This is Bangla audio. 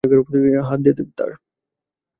হাত দে তোর।